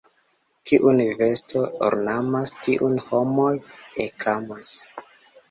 Kiun vesto ornamas, tiun homoj ekamas.